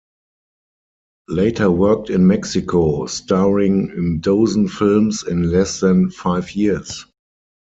Later worked in Mexico, starring in a dozen films in less than five years.